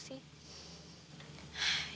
ya sekarang mereka juga udah agak terhibur sih